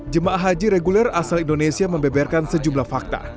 jemaah haji reguler asal indonesia membeberkan sejumlah fakta